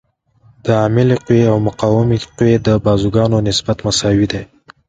د عاملې قوې او مقاومې قوې د بازوګانو نسبت مساوي دی.